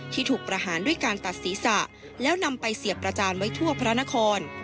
ถูกประหารด้วยการตัดศีรษะแล้วนำไปเสียบประจานไว้ทั่วพระนคร